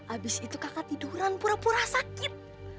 abis itu kakak tiduran pura pura sakit